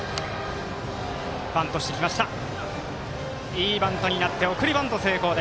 いいバントになって送りバント成功。